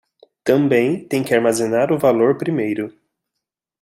Também tem que armazenar o valor primeiro